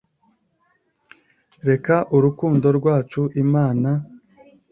reka urukundo rwacu imana